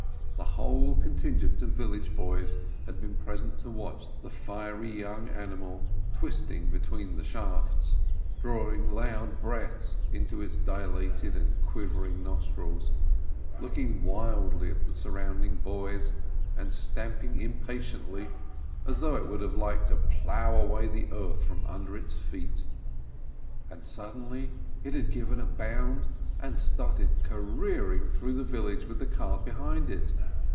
The whole contin gent of village boys had been present to watch the fiery young animal twisting between the shafts, drawing loud breaths into its dilated and quivering nostrils, looking wildly at the surrounding boys, and stamping impa tiently, as though it would have liked to plow away the earth from under its feet. And suddenly it had given a bound and started careering through the village with COUNTRY FOLK 547 the cart behind it.